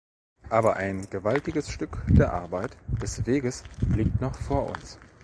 Aber ein gewaltiges Stück der Arbeit, des Weges liegt noch vor uns.